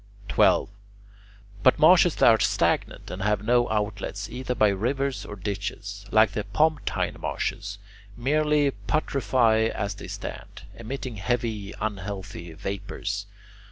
12. But marshes that are stagnant and have no outlets either by rivers or ditches, like the Pomptine marshes, merely putrefy as they stand, emitting heavy, unhealthy vapours.